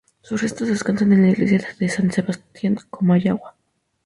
Sus restos descansan en la Iglesia de San Sebastián de Comayagua.